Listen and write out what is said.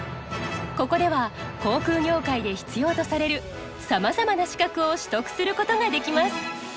ここでは航空業界で必要とされるさまざまな資格を取得することができます。